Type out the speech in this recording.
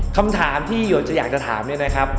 คำถามที่หยกจะอยากจะถามเนี่ยนะครับ